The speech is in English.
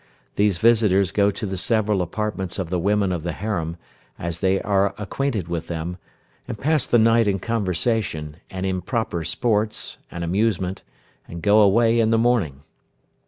These visitors go to the several apartments of the women of the harem, as they are acquainted with them, and pass the night in conversation, and in proper sports, and amusement, and go away in the morning.